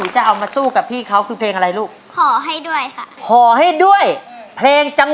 จะพูดก็พูดไม่เป็น